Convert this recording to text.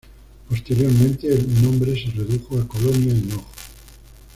Posteriormente el nombre se redujo a Colonia Hinojo.